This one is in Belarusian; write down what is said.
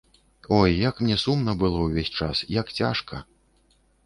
Ой, як мне сумна было ўвесь час, як цяжка.